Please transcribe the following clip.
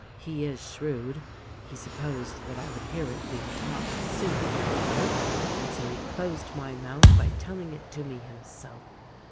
He is shrewd. He supposed that I would hear it being talked, sooner or later, and so he closed my mouth by tell ing it to me himself.